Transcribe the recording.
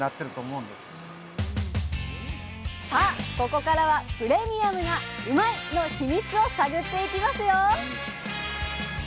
ここからはプレミアムなうまいッ！のヒミツを探っていきますよ！